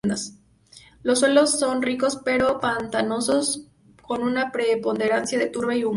Los suelos son ricos, pero pantanosos con una preponderancia de turba y humus.